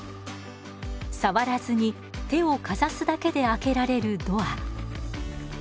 触らずに手をかざすだけで開けられるドア。